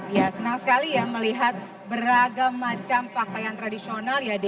ya senang sekali ya melihat beragam macam pakaian tradisional ya di